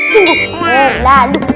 sungguh eh lalu